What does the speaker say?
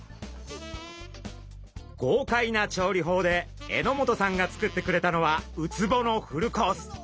ごうかいな調理法で榎本さんが作ってくれたのはウツボのフルコース。